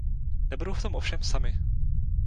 Nebudou v tom ovšem sami.